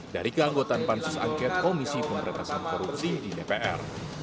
dari keanggotaan pansus angket komisi pemberantasan korupsi di dpr